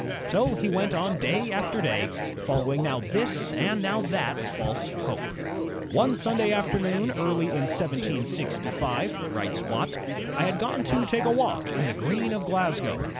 So he went on day after day, following now this and now that false hope. "One Sunday afternoon early in 1765," writes Watt, "I had gone to take a walk in the Green of Glasgow.